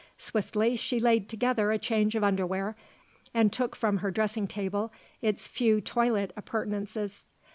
Swiftly she laid together a change of underwear and took from her dressing table its few toilet appurtenances.